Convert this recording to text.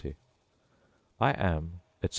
I am, etc.